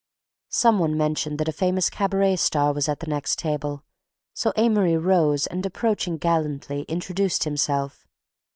Some one mentioned that a famous cabaret star was at the next table, so Amory rose and, approaching gallantly, introduced himself...